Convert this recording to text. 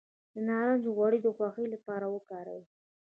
د نارنج غوړي د خوښۍ لپاره وکاروئ